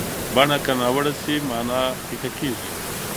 بڼه که ناوړه شي، معنا پیکه کېږي.